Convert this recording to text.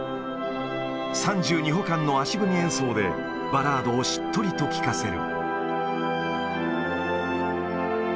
３２歩間の足踏み演奏で、バラードをしっとりと聴かせる。